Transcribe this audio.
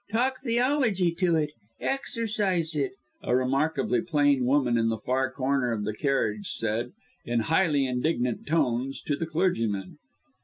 Talk theology to it, exorcise it," a remarkably plain woman, in the far corner of the carriage said, in highly indignant tones to the clergyman.